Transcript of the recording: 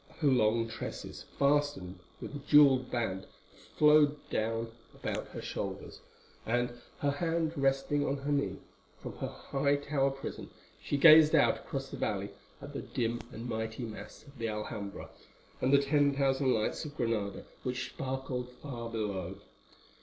Her long tresses, fastened with a jewelled band, flowed down about her shoulders, and, her hand resting on her knee, from her high tower prison she gazed out across the valley at the dim and mighty mass of the Alhambra and the ten thousand lights of Granada which sparkled far below.